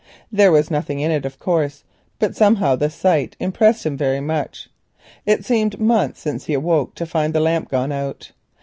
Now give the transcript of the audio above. There was nothing in it, of course, but somehow the sight impressed him very much. It seemed months since he awoke to find the lamp gone out.